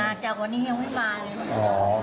จากวันนี้ยังไม่มาเลย